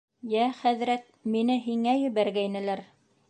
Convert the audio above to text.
— Йә, хәҙрәт, мине һиңә ебәргәйнеләр.